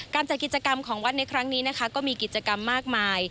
จัดกิจกรรมของวัดในครั้งนี้นะคะก็มีกิจกรรมมากมาย